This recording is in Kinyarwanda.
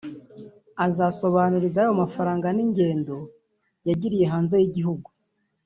azasobanura iby’ayo mafaranga n’ingendo yagiriye hanze y’igihugu